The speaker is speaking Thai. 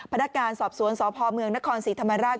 พนักการณ์สอบสวนสพเมืองนครศิษย์ธรรมานราช